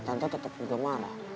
tante tetep udah marah